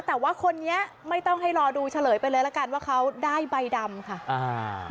แต่ว่าคนนี้ไม่ต้องให้รอดูเฉลยไปเลยละกันว่าเขาได้ใบดำค่ะอ่า